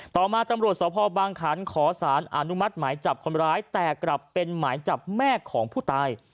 ต่อมาตำรวจสภบางขันขอสารอนุมัติหมายจับคนร้ายแต่กลับเป็นหมายจับแม่ของผู้ตาย